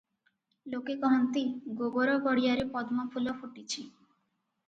ଲୋକେ କହନ୍ତି, ଗୋବର ଗଡ଼ିଆରେ ପଦ୍ମଫୁଲ ଫୁଟିଛି ।